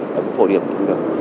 và phổ điểm cũng được